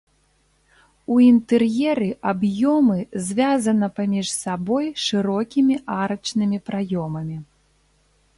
У інтэр'еры аб'ёмы звязана паміж сабой шырокімі арачнымі праёмамі.